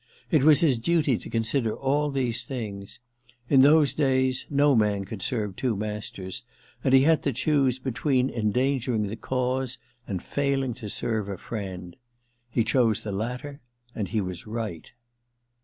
It was his duty to consider all these things. In those days no man could serve two masters, and he had to choose between endangering the cause and fail ing to serve a friend. Hg chose the latter — and he was right.'